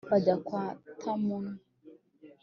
bajya kwa tamunwa